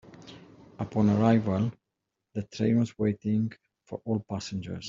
Upon arrival, the train was waiting for all passengers.